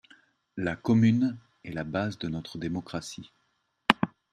La commune est la base de notre démocratie.